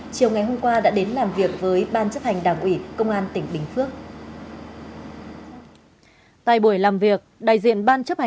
chiều ngày hôm qua đã đến làm việc với ban chấp hành đảng ủy công an tỉnh bình phước